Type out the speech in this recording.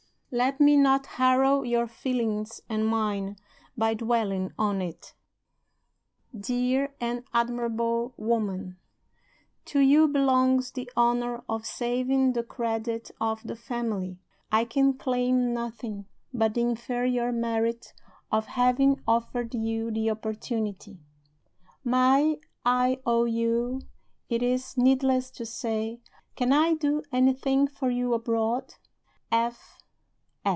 Let me not harrow your feelings (and mine) by dwelling on it. Dear and admirable woman! To you belongs the honor of saving the credit of the family; I can claim nothing but the inferior merit of having offered you the opportunity. "My IOU, it is needless to say, accompanies these lines. Can I do anything for you abroad?